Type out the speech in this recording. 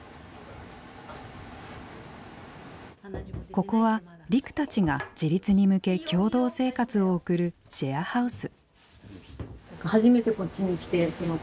ここはリクたちが自立に向け共同生活を送るシェアハウス。